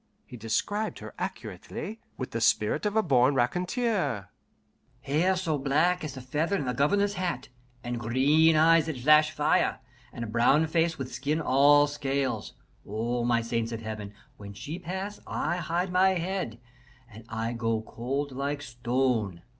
He described her accurately, with the spirit of the born raconteur: "Hair so black as the feather in the Governor's hat, and green eyes that flash fire, and a brown face with skin all scales. Oh, my saints of Heaven, when she pass I hide my head, and I go cold like stone.